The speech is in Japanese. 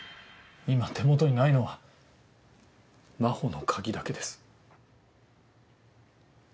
今手元にないのは真帆の鍵だけです。